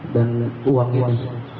dan uang ini